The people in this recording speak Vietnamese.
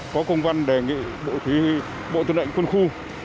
có công văn đề nghị bộ trí bộ tư lệnh quân khu